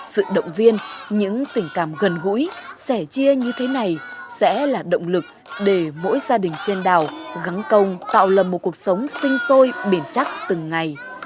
sự động viên những tình cảm gần gũi sẻ chia như thế này sẽ là động lực để mỗi gia đình trên đảo gắn công tạo lập một cuộc sống sinh sôi biển chắc từng ngày